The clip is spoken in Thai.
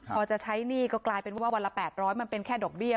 พอจะใช้หนี้ก็กลายเป็นว่าวันละ๘๐๐มันเป็นแค่ดอกเบี้ย